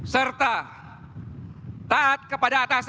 serta taat kepada atasan